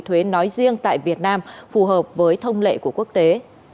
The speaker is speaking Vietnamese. thuế nói riêng tại việt nam phù hợp với thông lệ của quốc tế